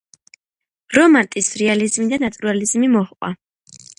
რომანტიზმს რეალიზმი და ნატურალიზმი მოჰყვა.